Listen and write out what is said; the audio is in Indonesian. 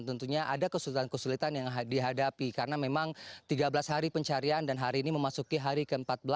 tentunya ada kesulitan kesulitan yang dihadapi karena memang tiga belas hari pencarian dan hari ini memasuki hari ke empat belas